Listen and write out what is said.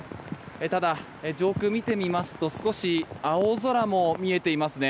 ただ、上空を見てみますと少し青空も見えていますね。